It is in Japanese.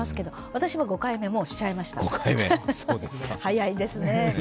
私も５回目、もうしちゃいました、早いですね。